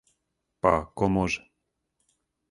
Па, ко може?